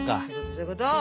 そういうこと！